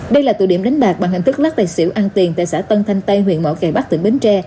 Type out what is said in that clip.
đây là tự điểm đánh bạc bằng hình thức lắc đại xỉu ăn tiền tại xã tân thanh tây huyện mỏ kẻ bắc tỉnh bến tre